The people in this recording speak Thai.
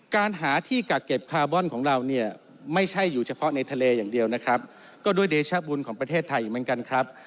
การหาที่กักเก็บคาร์บอนของเราเนี่ยไม่ใช่อยู่เฉพาะในทะเลอย่างเดียวนะครับก็ด้วยเดชบุญของประเทศไทยอีกเหมือนกันครับ